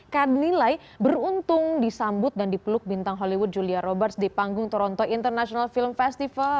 kadlilai beruntung disambut dan dipeluk bintang hollywood julia roberts di panggung toronto international film festival